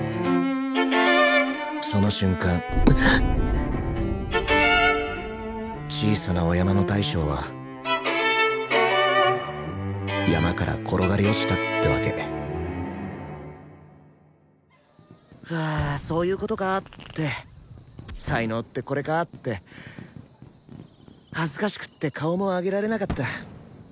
その瞬間小さなお山の大将は山から転がり落ちたってわけ「うわそういうことか」って「才能ってこれか！」って恥ずかしくって顔も上げられなかった。